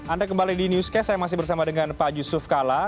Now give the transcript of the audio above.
anda kembali di newscast saya masih bersama dengan pak yusuf kala